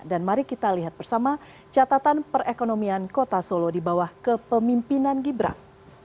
dan mari kita lihat bersama catatan perekonomian kota solo di bawah kepemimpinan gibran